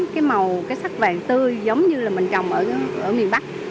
cái màu cái sắc vàng tươi giống như là mình trồng ở miền bắc